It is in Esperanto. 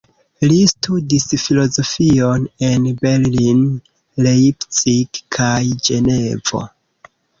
Li studis filozofion en Berlin, Leipzig kaj Ĝenevo.